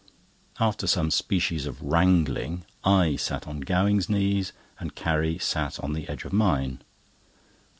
After some species of wrangling, I sat on Gowing's knees and Carrie sat on the edge of mine.